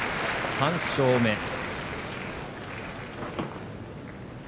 ３勝目。